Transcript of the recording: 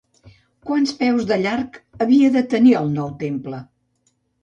Quants peus de llarg havia de tenir el nou temple?